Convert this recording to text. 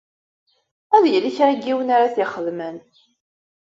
Ad yili kra n yiwen ara t-ixedmen.